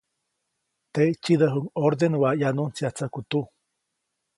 Teʼ tsiʼdäjuʼuŋ ʼorden waʼ ʼyanuntsyatsäjku tuj.